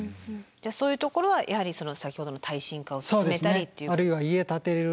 そういうところはやはり先ほどの耐震化を進めたり。